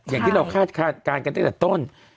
อย่างที่เราคาดการณ์กันตั้งแต่ต้น